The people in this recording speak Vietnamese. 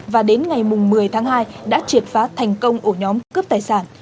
và đến ngày một mươi tháng hai đã triệt phá thành công ổ nhóm cướp tài sản